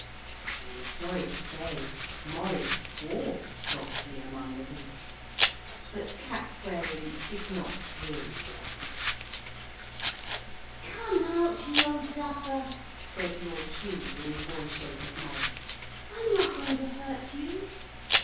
I am sorry to say Maurice swore softly among the boots, but cat swearing is not really wrong. 'Come out, you old duffer,' said Lord Hugh in the boy shape of Maurice. 'I'm not going to hurt you.'